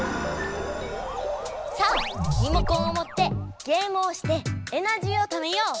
さあリモコンをもってゲームをしてエナジーをためよう！